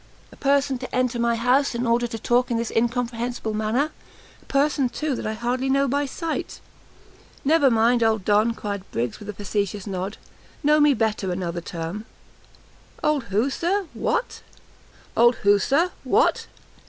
a person to enter my house in order to talk in this incomprehensible manner! a person, too, I hardly know by sight!" "Never mind, old Don," cried Briggs, with a facetious nod, "Know me better another time!" "Old who, Sir! what!"